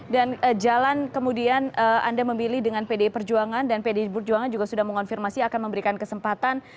dan jalan kemudian anda memilih dengan pdi perjuangan dan pdi perjuangan juga sudah mengonfirmasi akan memberikan kesempatan